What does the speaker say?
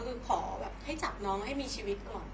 คือขอแบบให้จับน้องให้มีชีวิตก่อน